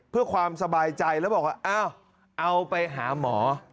เพื่อความสบายใจแล้วบอกว่าอ้าวเอาไปหาหมอ